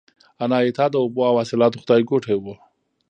اناهیتا د اوبو او حاصلاتو خدایګوټې وه